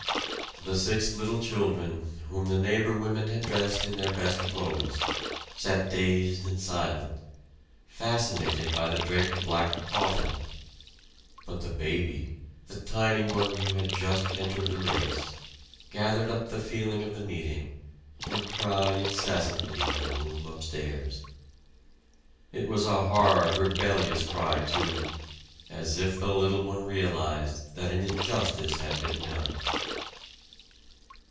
The six little children, whom the neighbor women had dressed in their best clothes, sat dazed and silent, fascinated by the draped black coffin; but the baby, the tiny one who had just entered the race, gathered up the feeling of the meeting, and cried incessantly in a room upstairs. It was a hard rebellious cry, too, as if the little one realized that an injustice had been done.